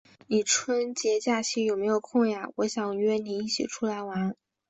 你春节假期有没有空呀？我想约你一起出来玩。